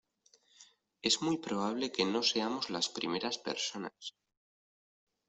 es muy probable que no seamos las primeras personas